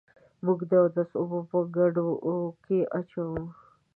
موږ د اودس اوبه په ګډوه کي اچوو.